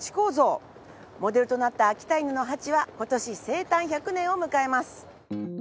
モデルとなった秋田犬のハチは今年生誕１００年を迎えます。